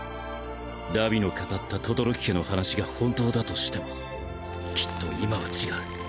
荼毘の語った轟家の話が本当だとしてもきっと今は違う。